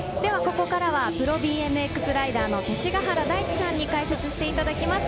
ここからはプロＢＭＸライダーの勅使川原大地さに解説していただきます。